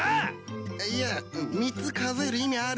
いや３つ数える意味ある？